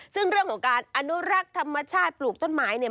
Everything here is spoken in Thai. ซึ่งเรื่องของการอนุรักษ์ธรรมชาติปลูกต้นไม้เนี่ย